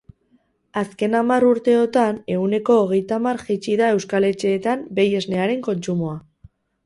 Azken hamar urteotan, ehuneko hogeitamar jaitsi da euskal etxeetan behi esnearen kontsumoa.